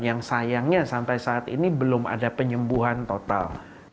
yang sayangnya sampai saat ini belum ada penyembuhan total